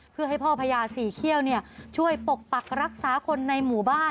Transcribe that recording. เพื่อให้พ่อพญาสี่เขี้ยวช่วยปกปักรักษาคนในหมู่บ้าน